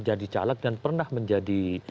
jadi caleg dan pernah menjadi